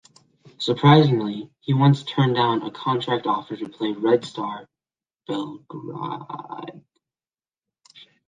Surprisingly, he once turned down a contract offer to play with Red Star Belgrade.